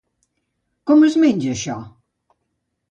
Com es menja això?